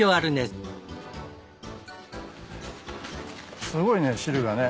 すごいね汁がね。